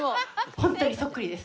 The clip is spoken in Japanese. ホントにそっくりです。